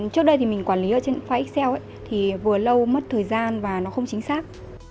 trước đây thì mình quản lý ở trên file xel thì vừa lâu mất thời gian và nó không chính xác